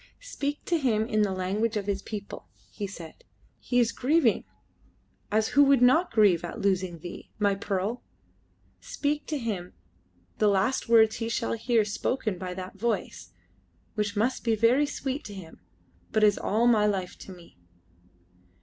"Speak to him in the language of his people," he said. "He is grieving as who would not grieve at losing thee, my pearl! Speak to him the last words he shall hear spoken by that voice, which must be very sweet to him, but is all my life to me."